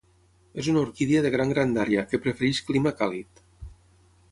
És una orquídia de gran grandària, que prefereix clima càlid.